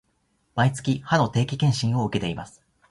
毎月、歯の定期検診を受けています